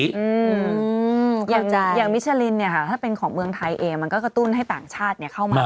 อืมเค้าใจอย่างอย่างเนี่ยคะถ้าเป็นของเมืองไทยเองมันก็กระตุ้นให้ต่างชาติเนี่ยเข้ามา